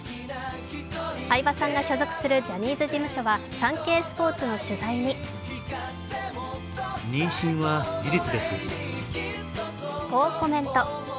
相葉さんが所属するジャニーズ事務所はサンケイスポーツの取材にこうコメント。